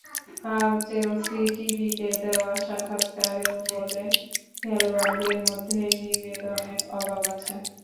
কাল চেলসি টিভিকে দেওয়া সাক্ষাৎকারেও বললেন, খেলোয়াড়দের মধ্যে নিবেদনের অভাব আছে।